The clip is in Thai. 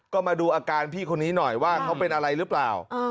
ก็มาดูอาการพี่คนนี้หน่อยว่าเขาเป็นอะไรหรือเปล่า